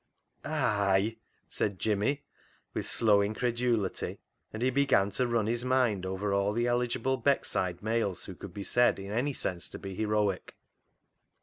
" A y," said Jimmy, with slow incredulity, and he began to run his mind over all the eligible Beckside males who could be said in any sense to be heroic.